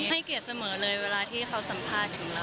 ให้เกียจเสมอเลยเวลาที่เขาสำภาคถึงเรา